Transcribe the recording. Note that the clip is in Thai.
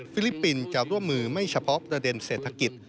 ลิปปินส์จะร่วมมือไม่เฉพาะประเด็นเศรษฐกิจ